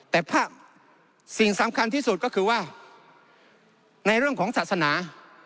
แต่ภาพสิ่งสำคัญที่สุดก็คือว่าในเรื่องของศาสนา